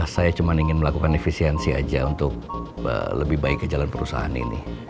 saya cuma ingin melakukan efisiensi aja untuk lebih baik ke jalan perusahaan ini